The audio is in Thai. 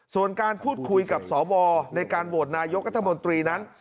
ส่วนการพูดคุยกับสวในการโหวตนายกรัฐมนตรีนั้น